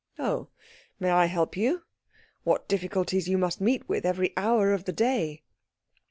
"Oh, may I help you? What difficulties you must meet with every hour of the day!"